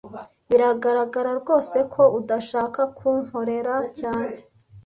Biragaragara rwose ko udashaka kunkorera cyane